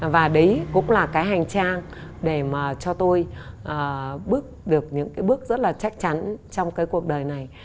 và đấy cũng là cái hành trang để mà cho tôi bước được những cái bước rất là chắc chắn trong cái cuộc đời này